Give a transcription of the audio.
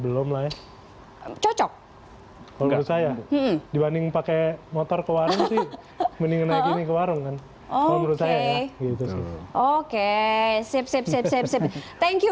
belum lah cocok dibanding pakai motor ke warung sih mending naik ke warung oke sip sip sip thank you